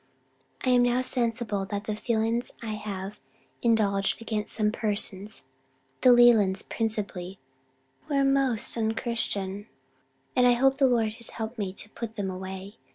"I am now sensible that the feelings I have indulged against some persons the Lelands principally were most unchristian, and I hope the Lord has helped me to put them away.